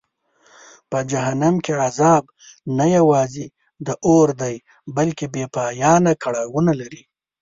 په جهنم کې عذاب نه یوازې د اور دی بلکه بېپایانه کړاوونه لري.